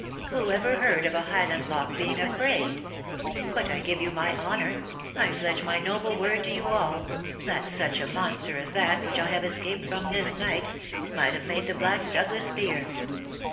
Who ever heard of a Highlandloch being afraid ? But I give you my honour — I pledge my nobie word to you all, that such a monster as that which I have escaped from this night, might have made the black Douglas fear